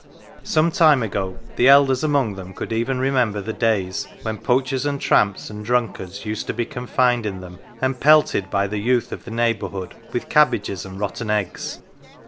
Some time ago the elders among them could even remember the days when poachers and tramps and drunkards used to be con fined in them, and pelted by the youth of the neighbour hood with cabbages and rotten eggs.